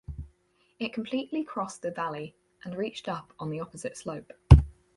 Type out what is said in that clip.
It completely crossed the valley and reached up on the opposite slope.